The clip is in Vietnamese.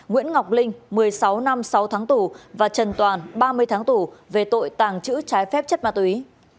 nguyễn ngọc linh một mươi sáu năm sáu tháng tù và trần toàn ba mươi tháng tù về tội tàng trữ trái phép chất ma túy